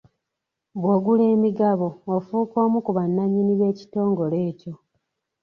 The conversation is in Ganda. Bw'ogula emigabo ofuuka omu ku bannannyini b'ekitongole ekyo.